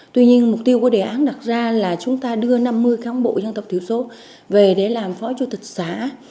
tuy nhiên mục tiêu của đề án đặt ra là chúng ta đưa năm mươi cán bộ dân tộc thiểu số về để làm phó chủ tịch xã